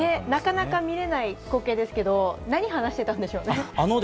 なかなか見れない光景ですけど、何話してたんでしょうか？